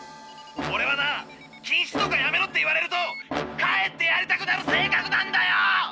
オレはな「禁止」とか「やめろ」って言われるとかえってやりたくなる性格なんだよ！